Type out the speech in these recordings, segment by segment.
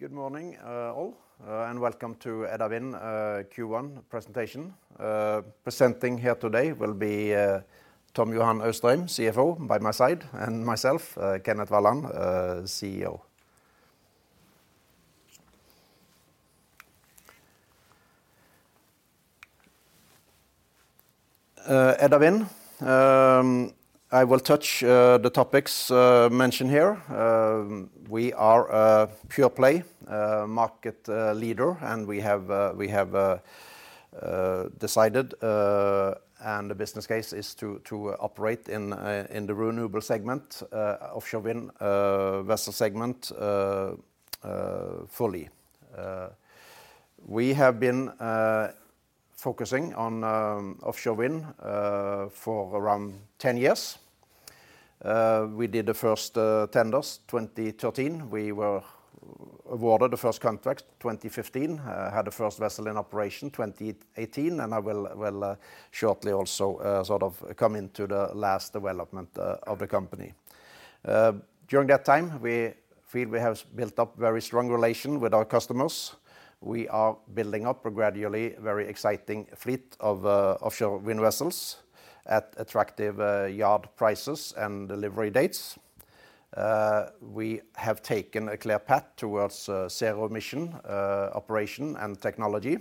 Good morning, all, and welcome to Edda Wind Q1 presentation. Presenting here today will be Tom Johan Austrheim, CFO, by my side, and myself, Kenneth Walland, CEO. Edda Wind. I will touch the topics mentioned here. We are a pure play market leader, and we have decided, and the business case is to operate in the renewable segment, offshore wind vessel segment, fully. We have been focusing on offshore wind for around 10 years. We did the first tenders 2013. We were awarded the first contract 2015. Had the first vessel in operation 2018. I will shortly also sort of come into the last development of the company. During that time, we feel we have built up very strong relation with our customers. We are building up gradually very exciting fleet of offshore wind vessels at attractive yard prices and delivery dates. We have taken a clear path towards zero emission operation and technology.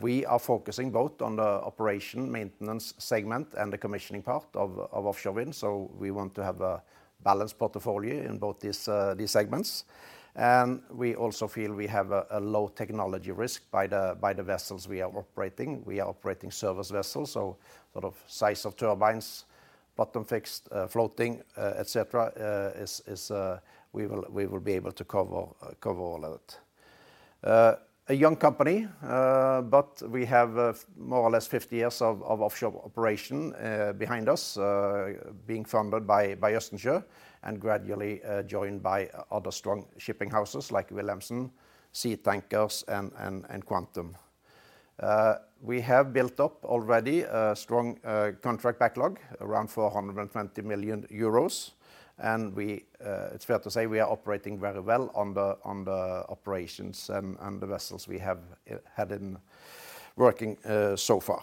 We are focusing both on the operation maintenance segment and the commissioning part of offshore wind, so we want to have a balanced portfolio in both these segments. We also feel we have a low technology risk by the vessels we are operating. We are operating service vessels, so sort of size of turbines, bottom fixed, floating, et cetera, we will be able to cover all of it. A young company, but we have more or less 50 years of offshore operation behind us, being funded by Østensjø and gradually joined by other strong shipping houses like Wilhelmsen, Sea Tankers and Quantum. We have built up already a strong contract backlog, around 420 million euros. We, it's fair to say we are operating very well on the operations and the vessels we have had in working so far.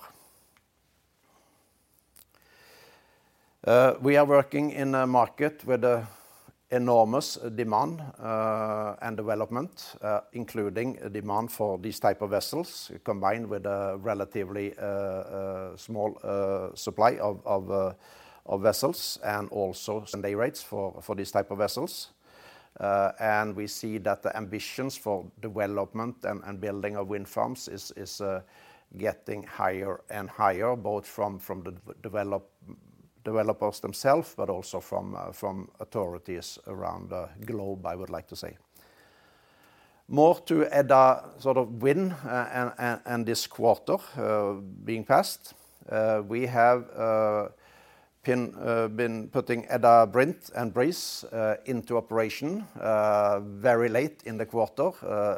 We are working in a market with a enormous demand and development, including a demand for these type of vessels combined with a relatively small supply of vessels and also some day rates for these type of vessels. We see that the ambitions for development and building of wind farms is getting higher and higher, both from the developers themselves, but also from authorities around the globe, I would like to say. More to Edda Wind this quarter being passed, we have been putting Edda Brint and Edda Breeze into operation very late in the quarter,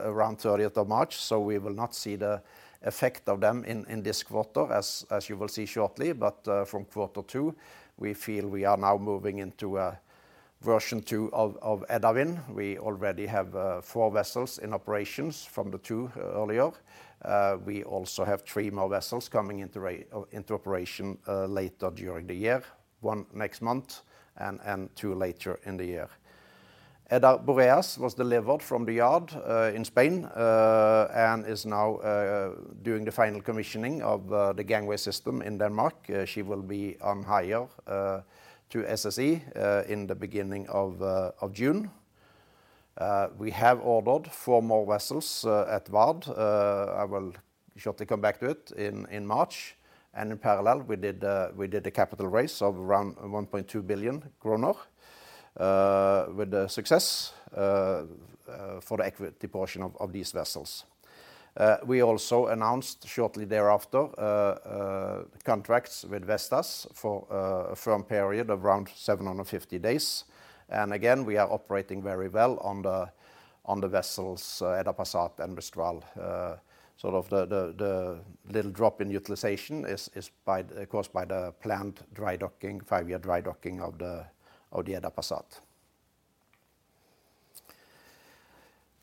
around 30th of March. We will not see the effect of them in this quarter, as you will see shortly. From quarter two, we feel we are now moving into a version two of Edda Wind. We already have four vessels in operations from the two earlier. We also have three more vessels coming into operation later during the year. One next month and two later in the year. Edda Boreas was delivered from the yard, in Spain, and is now doing the final commissioning of the gangway system in Denmark. She will be on hire to SSE in the beginning of June. We have ordered four more vessels at Vard. I will shortly come back to it in March. In parallel we did a capital raise of around 1.2 billion kroner, with the success for the equity portion of these vessels. We also announced shortly thereafter contracts with Vestas for a firm period of around 750 days. Again, we are operating very well on the vessels, Edda Passat and Mistral. Sort of the little drop in utilization is caused by the planned dry docking, five-year dry docking of the Edda Passat.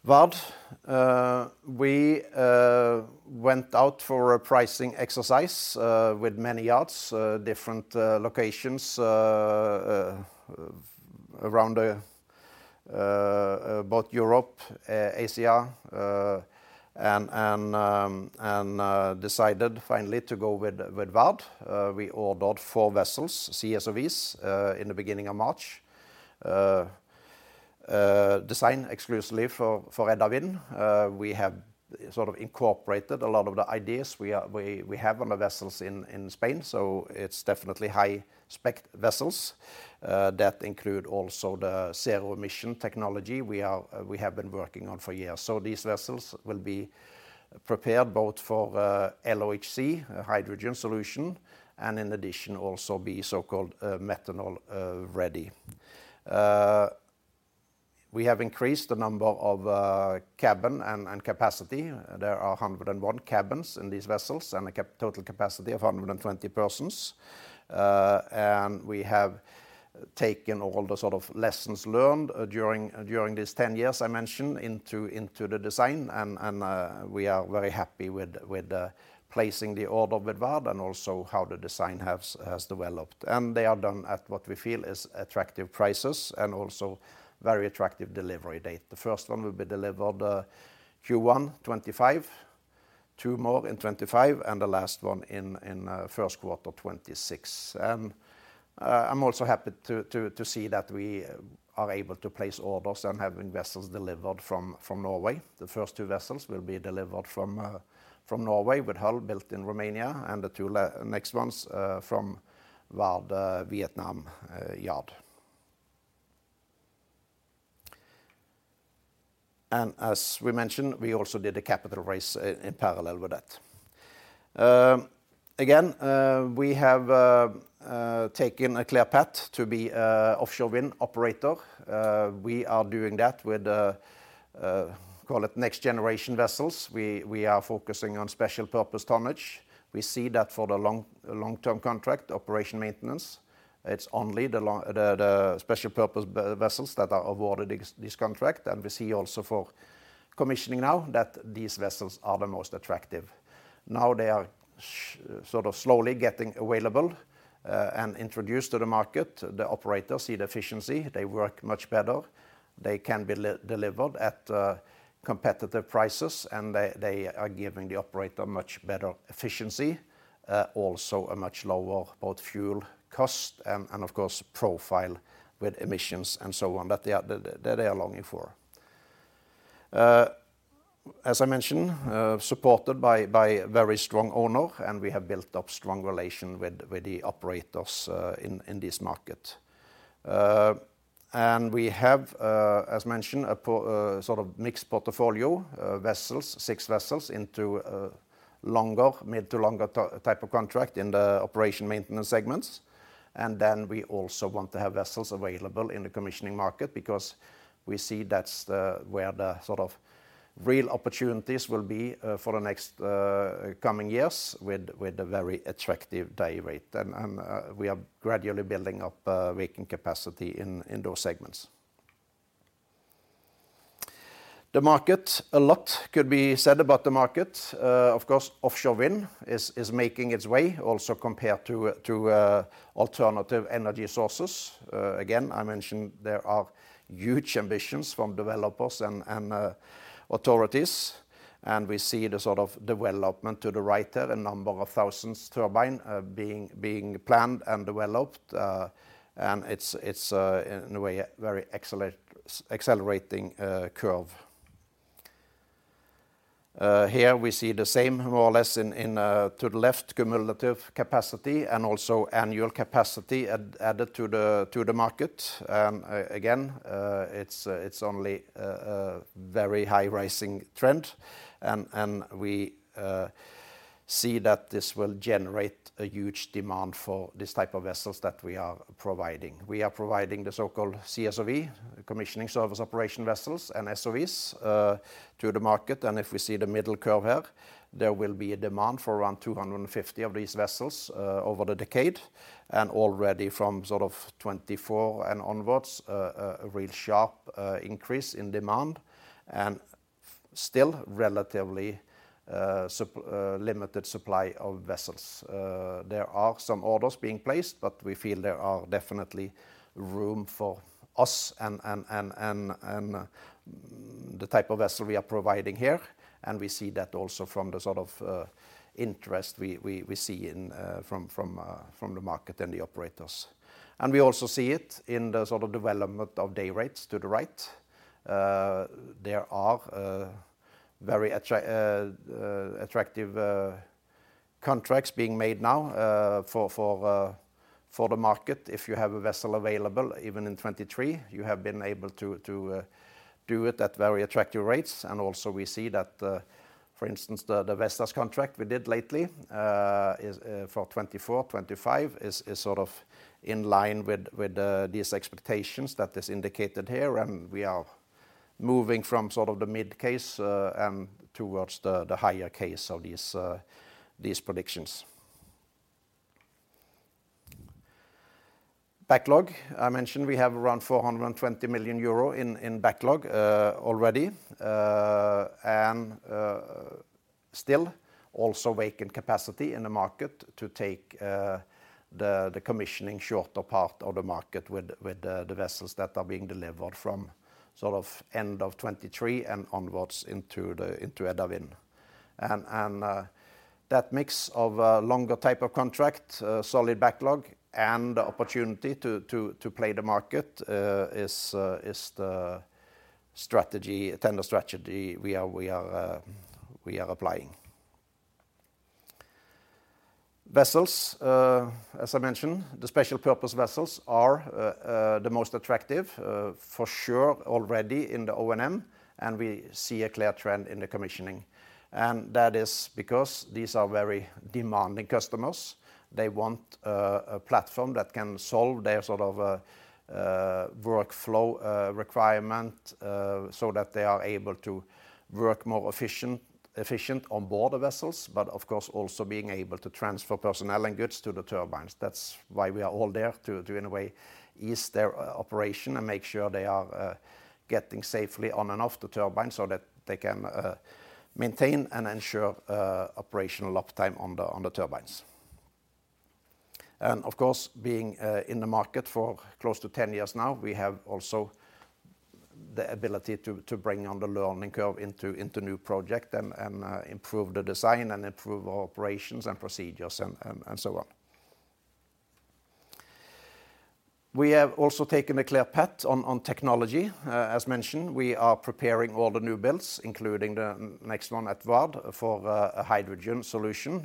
Vard, we went out for a pricing exercise with many yards, different locations, around both Europe, Asia, and decided finally to go with Vard. We ordered four vessels, CSOVs, in the beginning of March. Designed exclusively for Edda Wind. We have sort of incorporated a lot of the ideas we have on the vessels in Spain. It's definitely high spec vessels that include also the zero emission technology we have been working on for years. These vessels will be prepared both for LOHC, a hydrogen solution, and in addition, also be so-called Methanol Ready. We have increased the number of cabin and capacity. There are 101 cabins in these vessels and a total capacity of 120 persons. We have taken all the sort of lessons learned during these 10 years I mentioned into the design and we are very happy with placing the order with Vard and also how the design has developed. They are done at what we feel is attractive prices and also very attractive delivery date. The first one will be delivered Q1 2025, two more in 2025, and the last one in first quarter 2026. I'm also happy to see that we are able to place orders and have investors delivered from Norway. The first two vessels will be delivered from Norway with hull built in Romania and the two next ones from Vard Vietnam yard. As we mentioned, we also did a capital raise in parallel with that. Again, we have taken a clear path to be offshore wind operator. We are doing that with call it next generation vessels. We are focusing on special purpose tonnage. We see that for the long-term contract operation maintenance. It's only the special purpose vessels that are awarded ex-this contract. We see also for commissioning now that these vessels are the most attractive. Now they are sort of slowly getting available and introduced to the market. The operators see the efficiency. They work much better. They can be delivered at competitive prices, and they are giving the operator much better efficiency, also a much lower both fuel cost and of course profile with emissions and so on that they are longing for. As I mentioned, supported by a very strong owner, and we have built up strong relation with the operators in this market. We have, as mentioned, a sort of mixed portfolio, vessels, six vessels into longer, mid to longer type of contract in the operation maintenance segments. We also want to have vessels available in the commissioning market because we see where the sort of real opportunities will be for the next coming years with a very attractive day rate. We are gradually building up vacant capacity in those segments. The market. A lot could be said about the market. Of course, offshore wind is making its way also compared to alternative energy sources. Again, I mentioned there are huge ambitions from developers and authorities. We see the sort of development to the right there, a number of thousands turbine being planned and developed. It's in a way a very accelerating curve. Here we see the same more or less in to the left cumulative capacity and also annual capacity added to the market. Again, it's only a very high rising trend. We see that this will generate a huge demand for this type of vessels that we are providing. We are providing the so-called CSOV, commissioning service operation vessels and SOVs to the market. If we see the middle curve here, there will be a demand for around 250 of these vessels over the decade, and already from sort of 2024 and onwards, a real sharp increase in demand and still relatively limited supply of vessels. There are some orders being placed, but we feel there are definitely room for us and the type of vessel we are providing here. We see that also from the sort of interest we see in from the market and the operators. We also see it in the sort of development of day rates to the right. There are very attractive contracts being made now for the market. If you have a vessel available, even in 2023, you have been able to do it at very attractive rates. Also we see that, for instance, the Vestas contract we did lately, is for 2024, 2025, sort of in line with these expectations that is indicated here. We are moving from sort of the mid case and towards the higher case of these predictions. Backlog. I mentioned we have around 420 million euro in backlog already. Still also vacant capacity in the market to take the commissioning shorter part of the market with the vessels that are being delivered from sort of end of 2023 and onwards into Edda Wind. That mix of longer type of contract, solid backlog and the opportunity to play the market, is the strategy, tender strategy we are applying. Vessels, as I mentioned, the special purpose vessels are the most attractive, for sure already in the O&M, and we see a clear trend in the commissioning. That is because these are very demanding customers. They want a platform that can solve their sort of workflow requirement, so that they are able to work more efficient on board the vessels, but of course also being able to transfer personnel and goods to the turbines. That's why we are all there to in a way ease their operation and make sure they are getting safely on and off the turbine so that they can maintain and ensure operational uptime on the turbines. Of course, being in the market for close to 10 years now, we have also the ability to bring on the learning curve into new project and improve the design and improve our operations and procedures and so on. We have also taken a clear path on technology. As mentioned, we are preparing all the new builds, including the next one at Vard for a hydrogen solution,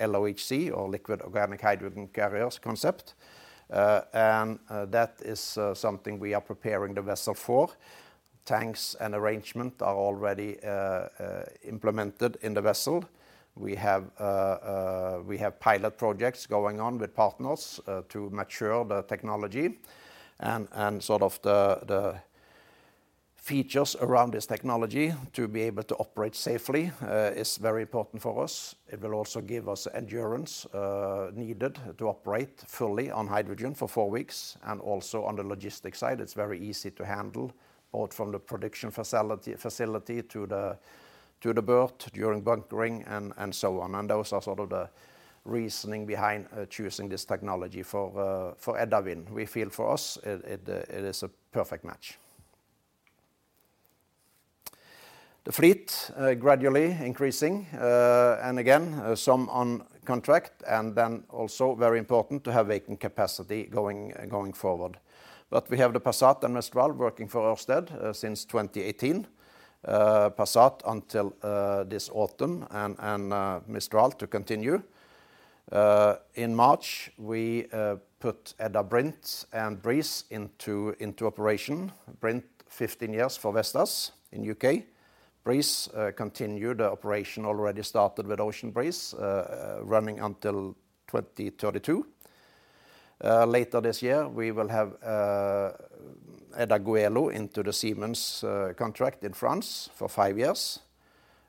LOHC or liquid organic hydrogen carriers concept. That is something we are preparing the vessel for. Tanks and arrangement are already implemented in the vessel. We have us, we have pilot projects going on with partners to mature the technology and sort of the features around this technology to be able to operate safely, is very important for us. It will also give us endurance needed to operate fully on hydrogen for four weeks. Also on the logistics side, it's very easy to handle both from the production facility to the berth during bunkering and so on. Those are sort of the reasoning behind choosing this technology for Edda Wind. We feel for us, it is a perfect match. The fleet gradually increasing, and again, some on contract, and then also very important to have vacant capacity going forward. We have the Passat and Mistral working for Ørsted since 2018. Passat until this autumn and Mistral to continue. In March, we put Edda Brint and Breeze into operation. Brint 15 years for Vestas in U.K. Breeze continued the operation already started with Ocean Breeze, running until 2032. Later this year, we will have Edda Goelo into the Siemens contract in France for five years.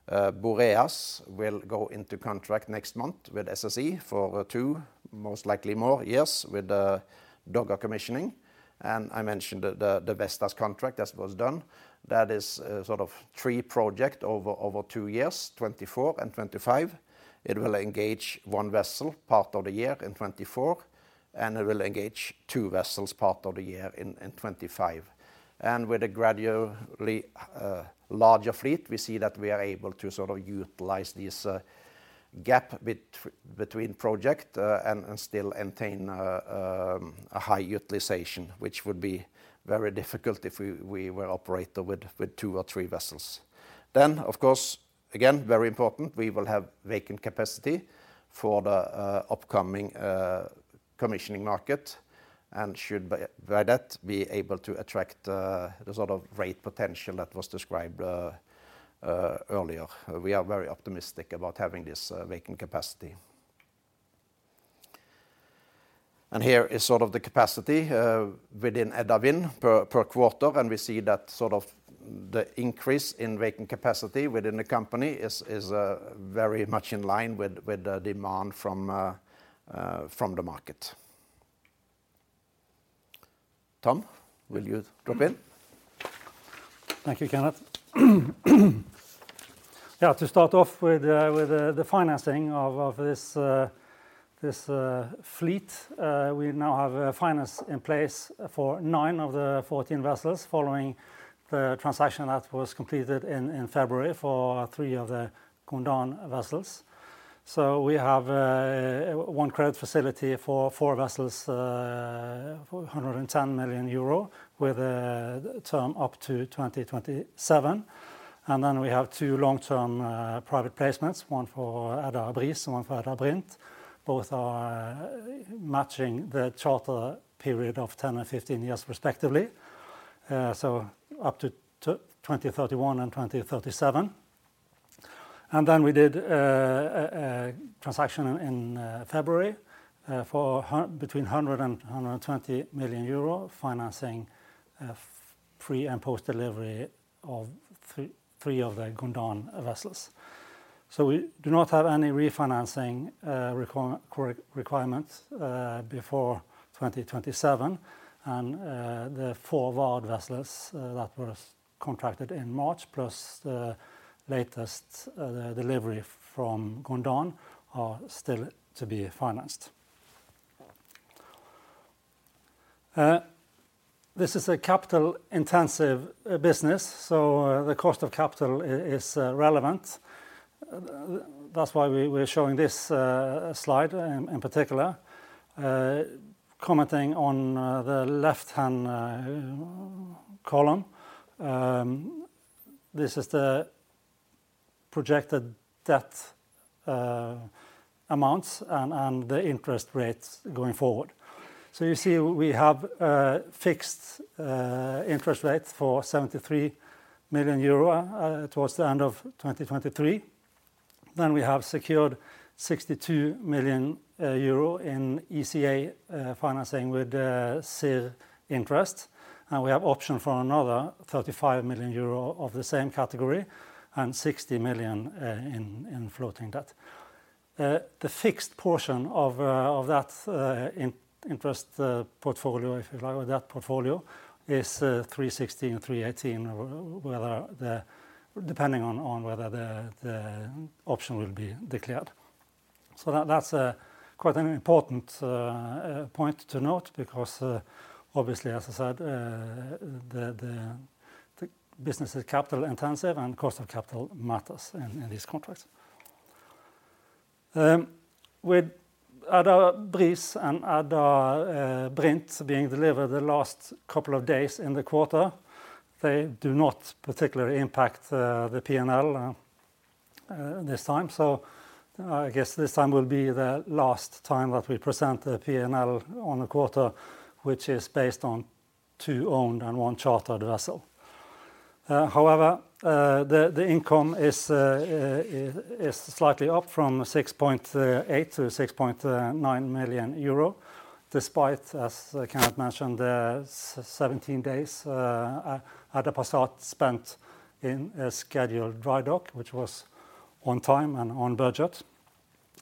Boreas will go into contract next month with SSE for two, most likely more years with the Dogger commissioning. I mentioned the Vestas contract that was done. That is sort of three project over two years, 2024 and 2025. It will engage one vessel part of the year in 2024, and it will engage two vessels part of the year in 2025. With a gradually larger fleet, we see that we are able to sort of utilize this gap between project and still maintain a high utilization, which would be very difficult if we were operate with two or three vessels. Of course, again, very important, we will have vacant capacity for the upcoming commissioning market and should by that be able to attract the sort of rate potential that was described earlier. We are very optimistic about having this vacant capacity. Here is sort of the capacity within Edda Wind per quarter, and we see that sort of the increase in vacant capacity within the company is very much in line with the demand from the market. Tom, will you drop in? Thank you, Kenneth. To start off with the financing of this fleet, we now have a finance in place for 9 of the 14 vessels following the transaction that was completed in February for three of the Gondan vessels. We have one credit facility for four vessels for 110 million euro with a term up to 2027. We have two long-term private placements, one for Edda Breeze and one for Edda Brint. Both are matching the charter period of 10 and 15 years respectively, so up to 2031 and 2037. We did a transaction in February for between 100 million euro and 120 million euro financing pre and post delivery of three of the Gondan vessels. We do not have any refinancing requirements before 2027. The four Vard vessels that was contracted in March plus the latest delivery from Gondan are still to be financed. This is a capital intensive business, the cost of capital is relevant. That's why we're showing this slide in particular. Commenting on the left-hand column. This is the projected debt amounts and the interest rates going forward. You see we have fixed interest rates for 73 million euro towards the end of 2023. We have secured 62 million euro in ECA financing with CIRR interest, and we have option for another 35 million euro of the same category and 60 million in floating debt. The fixed portion of that in-interest portfolio if you like, or that portfolio is 316, 318 depending on whether the option will be declared. That's a quite an important point to note because obviously, as I said, the business is capital intensive and cost of capital matters in these contracts. With Edda Breeze and Edda Brint being delivered the last couple of days in the quarter, they do not particularly impact the P&L this time. I guess this time will be the last time that we present the P&L on the quarter, which is based on two owned and one chartered vessel. However, the income is slightly up from 6.8 million-6.9 million euro, despite, as Kenneth mentioned, the 17 days Edda Passat spent in a scheduled dry dock which was on time and on budget.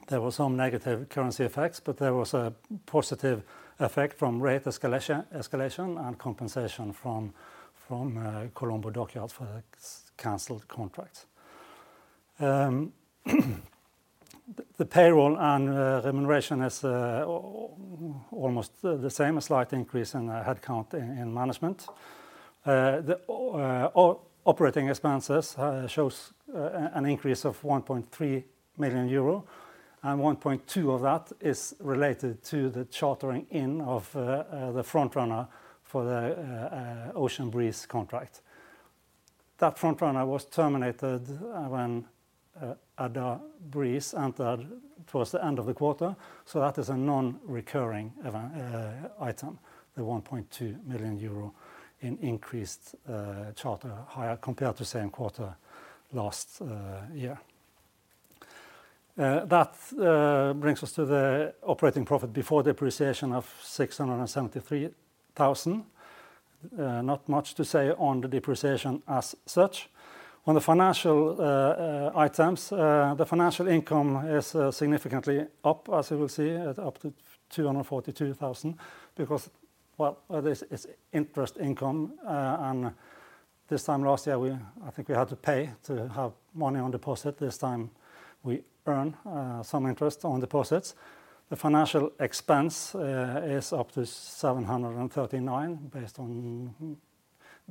There were some negative currency effects, but there was a positive effect from rate escalation and compensation from Colombo Dockyard for canceled contracts. The payroll and remuneration is almost the same. A slight increase in headcount in management. The operating expenses shows an increase of 1.3 million euro, and 1.2 of that is related to the chartering in of the frontrunner for the Ocean Breeze contract. That frontrunner was terminated when Edda Breeze entered towards the end of the quarter, that is a non-recurring item, the 1.2 million euro in increased charter hire compared to same quarter last year. That brings us to the operating profit before depreciation of 673,000. Not much to say on the depreciation as such. On the financial items, the financial income is significantly up, as you will see, at up to 242,000 because, well, this is interest income. This time last year we, I think we had to pay to have money on deposit. This time we earn some interest on deposits. The financial expense is up to 739 based on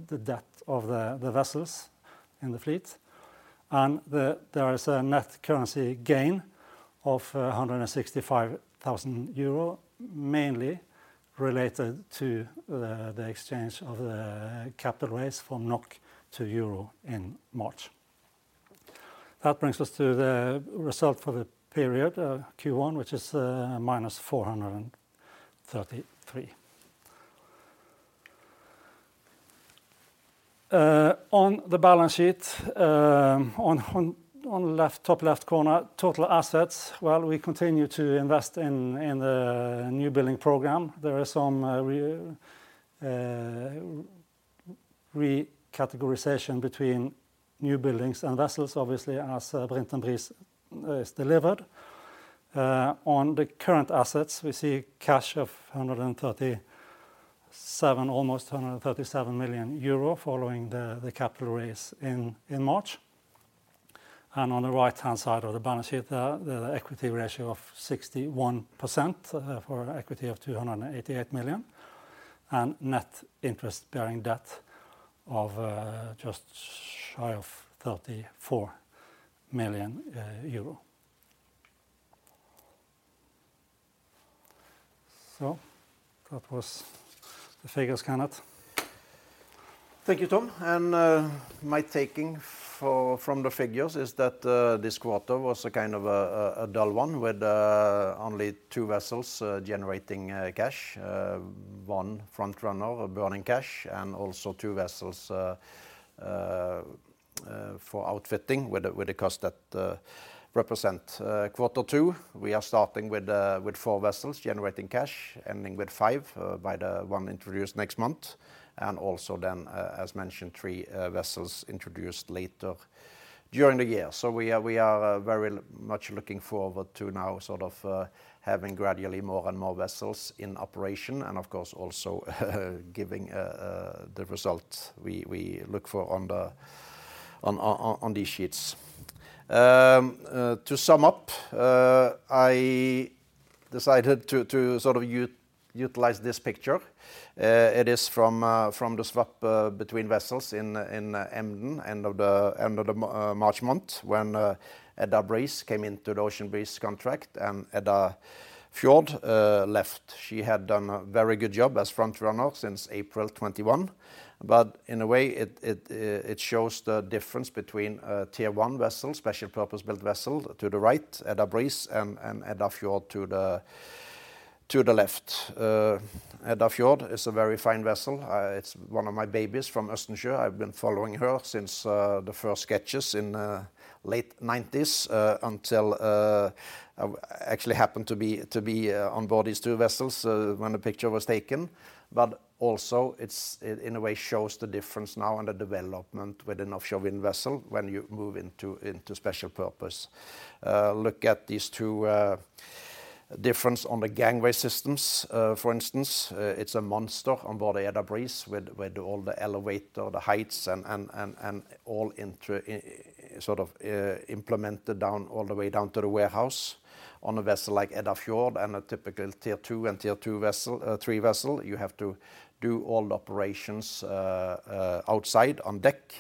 the debt of the vessels in the fleet. There is a net currency gain of 165,000 euro, mainly related to the exchange of the capital raise from NOK to EUR in March. That brings us to the result for the period Q1, which is minus 433. On the balance sheet, on left, top left corner, total assets, well, we continue to invest in the new building program. There are some re-categorization between new buildings and vessels, obviously as Edda Brint and Edda Breeze is delivered. On the current assets, we see cash of 137, almost 237 million euro following the capital raise in March. On the right-hand side of the balance sheet, the equity ratio of 61% for equity of 288 million. Net interest bearing debt of just shy of EUR 34 million. That was the figures, Kenneth. Thank you, Tom. My taking for, from the figures is that this quarter was a kind of a dull one with only two vessels generating cash. One frontrunner vessel burning cash, two vessels for outfitting with a cost that represent. Quarter two, we are starting with four vessels generating cash, ending with five by the one introduced next month. As mentioned, three vessels introduced later during the year. We are very much looking forward to now sort of having gradually more and more vessels in operation and, of course, also giving the result we look for on the on these sheets. To sum up, I decided to sort of utilize this picture. It is from the swap between vessels in Emden, end of the March month when Edda Breeze came into the Ocean Breeze contract and Edda Fjord left. She had done a very good job as frontrunner since April 2021. In a way it shows the difference between a Tier 1 vessel, special-purpose built vessel to the right, Edda Breeze, and Edda Fjord to the left. Edda Fjord is a very fine vessel. It's one of my babies from Østensjø. I've been following her since the first sketches in late 1990s until, I actually happened to be on board these two vessels when the picture was taken. Also it in a way shows the difference now in the development with an offshore wind vessel when you move into special purpose. Look at these two, difference on the gangway systems. For instance, it's a monster on board the Edda Breeze with all the elevator, the heights and all inter, sort of, implemented down, all the way down to the warehouse. On a vessel like Edda Fjord and a typical Tier two vessel, three vessel, you have to do all the operations, outside on deck.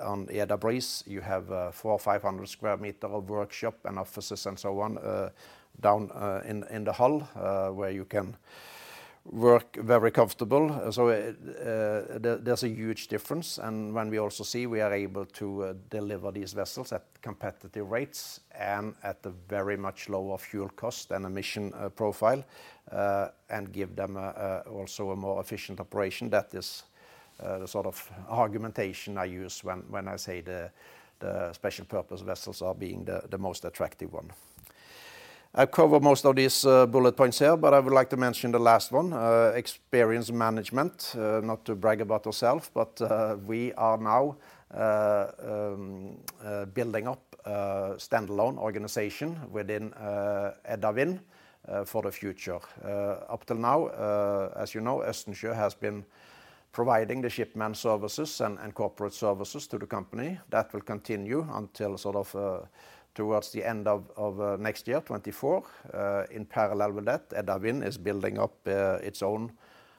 On the Edda Breeze you have 400 or 500 square meter of workshop and offices and so on, down in the hull, where you can work very comfortable. There's a huge difference. When we also see we are able to deliver these vessels at competitive rates and at a very much lower fuel cost and emission profile, and give them also a more efficient operation, that is the sort of argumentation I use when I say the special purpose vessels are being the most attractive one. I cover most of these bullet points here, but I would like to mention the last one. Experience management. Not to brag about ourself, but we are now building up a standalone organization within Edda Wind for the future. Up till now, as you know, Østensjø has been providing the shipman services and corporate services to the company. That will continue until sort of towards the end of next year, 2024. In parallel with that, Edda Wind is building up its own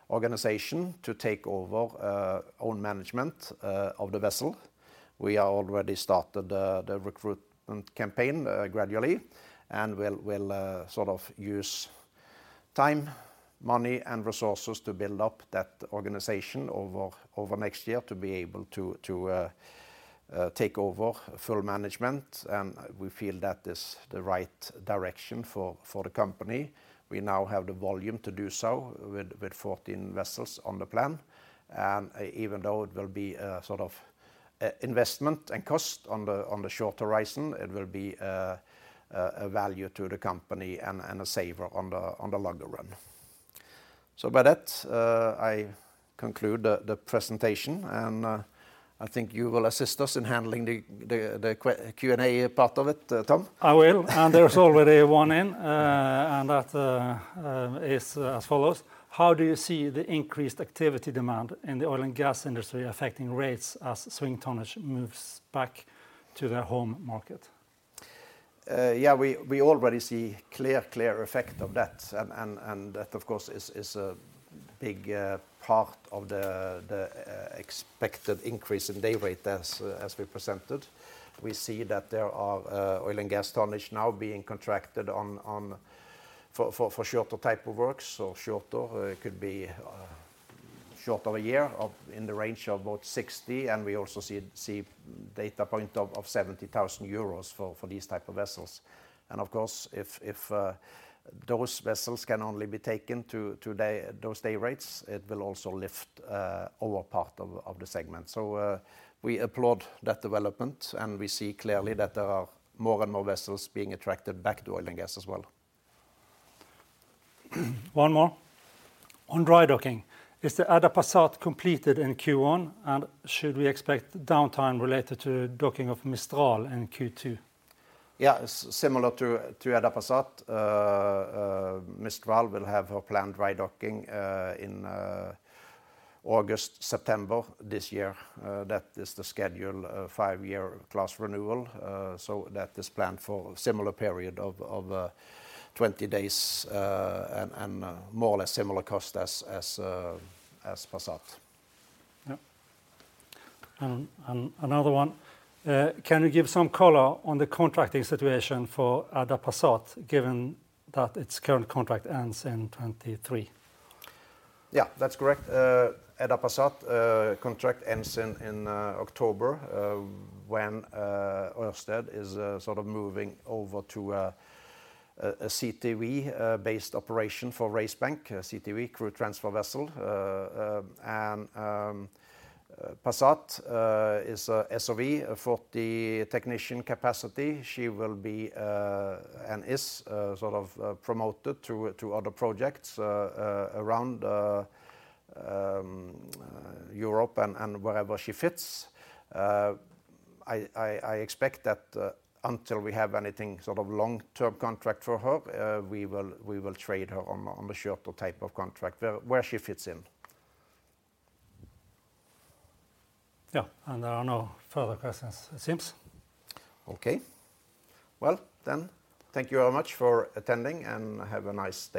organization to take over own management of the vessel. We are already started the recruitment campaign gradually, and we'll sort of use time, money, and resources to build up that organization over next year to be able to take over full management. We feel that is the right direction for the company. We now have the volume to do so with 14 vessels on the plan. Even though it will be a sort of a investment and cost on the short horizon, it will be a value to the company and a saver on the longer run. By that, I conclude the presentation. I think you will assist us in handling the Q&A part of it, Tom. I will. There's already one in. That is as follows: "How do you see the increased activity demand in the oil and gas industry affecting rates as swing tonnage moves back to their home market? Yeah, we already see clear effect of that. That, of course, is a big part of the expected increase in day rate as we presented. We see that there are oil and gas tonnage now being contracted on for shorter type of works. Shorter could be shorter a year of, in the range of about 60,000, and we also see data point of 70,000 euros for these type of vessels. Of course, if those vessels can only be taken to day, those day rates, it will also lift our part of the segment. We applaud that development, and we see clearly that there are more and more vessels being attracted back to oil and gas as well. One more. "On dry docking, is the Edda Passat completed in Q1, and should we expect downtime related to docking of Mistral in Q2? Yeah. Similar to Edda Passat, Mistral will have her planned dry docking in August, September this year. That is the scheduled five-year class renewal. That is planned for similar period of 20 days and more or less similar cost as Passat. Yeah. Another one: "Can you give some color on the contracting situation for Edda Passat, given that its current contract ends in 2023? Yeah, that's correct. Edda Passat contract ends in October when Ørsted is sort of moving over to a CTV-based operation for Race Bank, a CTV, Crew Transfer Vessel. Passat is a SOV, a 40 technician capacity. She will be and is sort of promoted to other projects around Europe and wherever she fits. I expect that until we have anything sort of long-term contract for her, we will trade her on the shorter type of contract where she fits in. Yeah. There are no further questions it seems. Okay. Well, then, thank you very much for attending, and have a nice day.